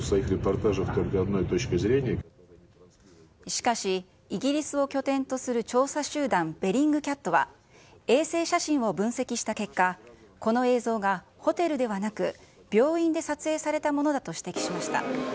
しかし、イギリスを拠点とする調査集団、ベリングキャットは、衛星写真を分析した結果、この映像がホテルではなく、病院で撮影されたものだと指摘しました。